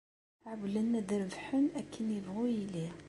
Ɛewwlen ad rebḥen, akken yebɣu yili.